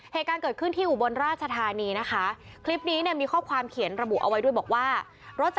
เหตุการณ์เกิดขึ้นที่อุบลราชธานีนะคะคลิปนี้เนี่ยมีข้อความเขียนระบุเอาไว้ด้วยบอกว่ารถจะ